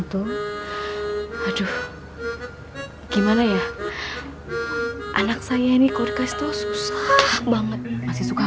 tiap jumat eksklusif di gtv